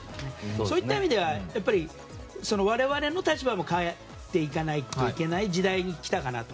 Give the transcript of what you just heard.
そういった意味では我々の立場も変えていかないといけない時代に来たかなと。